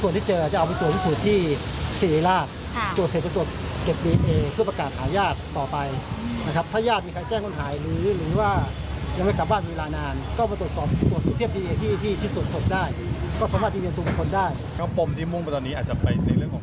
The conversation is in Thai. เรื่องของการฆ่าตกรรมฆ่าหันศพอะไรอย่างนี้บ๊วยบี